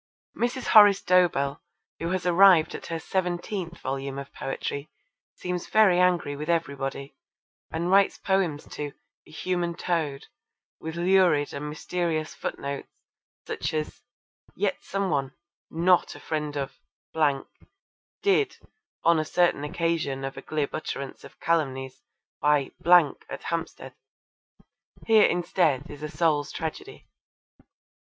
Mrs. Horace Dobell, who has arrived at her seventeenth volume of poetry, seems very angry with everybody, and writes poems to A Human Toad with lurid and mysterious footnotes such as 'Yet some one, not a friend of did! on a certain occasion of a glib utterance of calumnies, by ! at Hampstead.' Here indeed is a Soul's Tragedy.